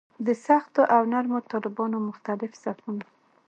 د سختو او نرمو طالبانو مختلف صفونه.